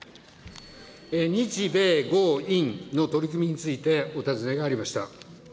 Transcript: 日米豪印の取り組みについてお尋ねがありました。